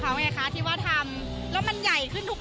ความสามารถดักนำงานของเค้าจะทำให้ได้นะครับ